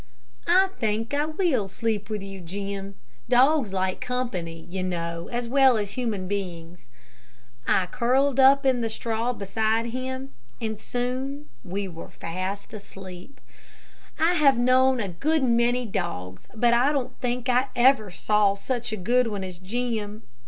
"I think I will sleep with you, Jim. Dogs like company, you know, as well as human beings." I curled up in the straw beside him, and soon we were fast asleep. I have known a good many dogs, but I don't think I ever saw such a good one as Jim.